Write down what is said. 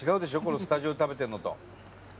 スタジオで食べてるのと。